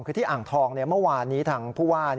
คือที่อ่างทองเมื่อวานนี้ทางผู้ว่า